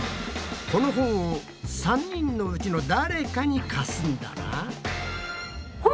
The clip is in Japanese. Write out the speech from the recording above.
この本を３人のうちの誰かに貸すんだな。